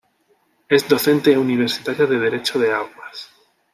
Es docente universitaria de Derecho de Aguas.